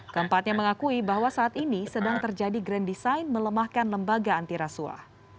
keempatnya mengakui bahwa saat ini sedang terjadi grand design melemahkan lembaga antirasuah